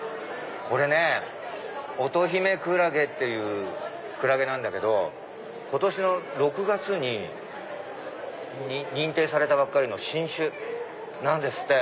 これねオトヒメクラゲっていうクラゲなんだけど今年の６月に認定されたばっかりの新種なんですって。